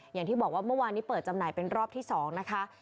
อย่างที่บอกว่าเมื่อวานนี้เปิดจำหน่ายเป็นรอบที่๒นะคะ